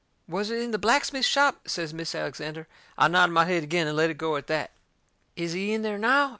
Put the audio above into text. "Was it in the blacksmith shop?" says Mis' Alexander. I nodded my head agin and let it go at that. "Is he in there now?"